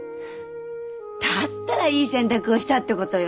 だったらいい選択をしたってことよ。